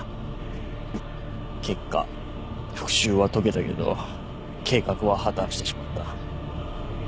結果復讐は遂げたけど計画は破綻してしまった。